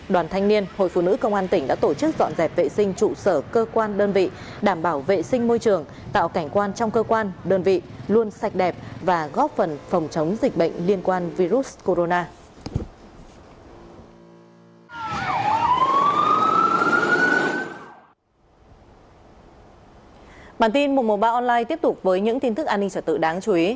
đoàn thanh niên hội phụ nữ công an tỉnh đã tổ chức dọn dẹp vệ sinh trụ sở cơ quan đơn vị đảm bảo vệ sinh môi trường tạo cảnh quan trong cơ quan đơn vị luôn sạch đẹp và góp phần phòng chống dịch bệnh liên quan virus corona